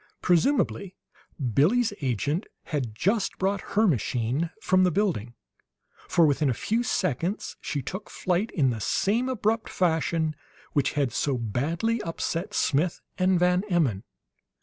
Presumably Billie's agent had just brought her machine from the building, for, within a few seconds, she took flight in the same abrupt fashion which had so badly upset Smith and Van Emmon.